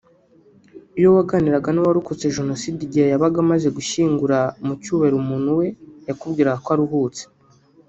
Iyo waganiraga n’uwarokotse Jenoside igihe yabaga amaze gushyingura mu cyubahiro umuntu we yakubwiraga ko aruhutse